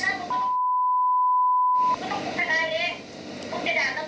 คุณก็จะเหมือนกันตอนนี้ใครจะโอนตัด